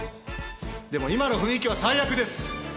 でも今の雰囲気は最悪です！